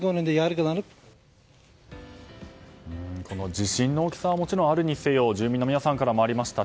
地震の大きさはもちろんあるにせよ住民の皆さんからもありました